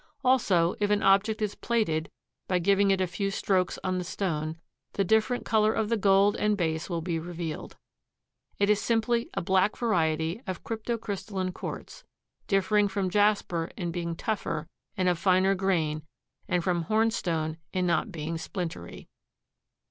Also if an object is plated, by giving it a few strokes on the stone the different color of the gold and base will be revealed. It is simply a black variety of crypto crystalline quartz, differing from jasper in being tougher and of finer grain and from hornstone in not being splintery.